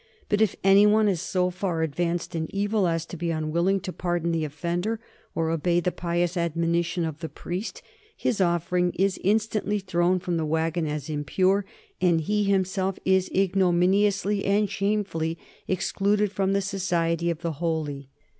But if any one is so far advanced in evil as to be unwilling to pardon an offender or obey the pious admonition of the priest, his offering is instantly thrown from the wagon as impure, and he himself is ignominiously and shamefully excluded from the society of the holy.